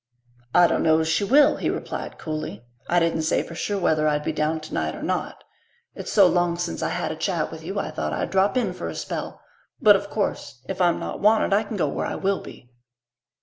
"I dunno's she will," he replied coolly. "I didn't say for sure whether I'd be down tonight or not. It's so long since I had a chat with you I thought I'd drop in for a spell. But of course if I'm not wanted I can go where I will be."